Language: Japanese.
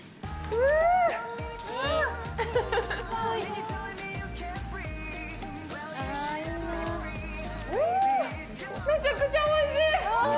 うーん、めちゃくちゃおいしい。